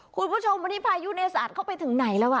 คุณผู้ชมวันนี้พายุในสะอาดเข้าไปถึงไหนแล้วอ่ะ